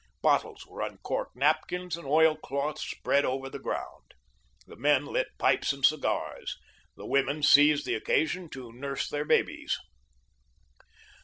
Bottles were uncorked, napkins and oil cloths spread over the ground. The men lit pipes and cigars, the women seized the occasion to nurse their babies.